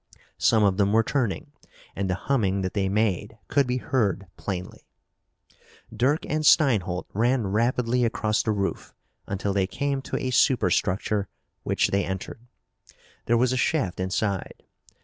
Some of them were turning, and the humming that they made could be heard plainly. Dirk and Steinholt ran rapidly across the roof until they came to a superstructure, which they entered. There was a shaft inside.